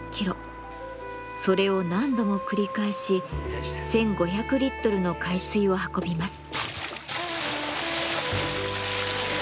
それを何度も繰り返し１，５００リットルの海水を運びます。